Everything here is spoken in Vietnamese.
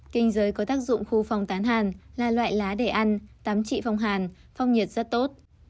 kinh giới có tác dụng khu phòng tán hàn là loại lá để ăn tám trị phong hàn phong nhiệt rất tốt